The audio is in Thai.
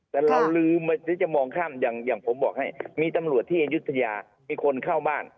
แต่เราลืมที่จะมองข้ามอย่างผมบอกให้มีตำรวจที่อายุทยามีคนเข้าบ้าน